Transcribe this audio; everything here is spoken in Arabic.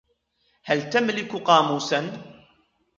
هل تملك قاموساً ؟